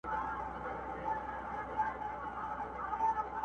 زه قلندر یم په یوه قبله باور لرمه !.